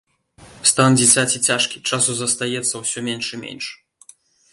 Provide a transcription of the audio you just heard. Стан дзіцяці цяжкі, часу застаецца ўсё менш і менш.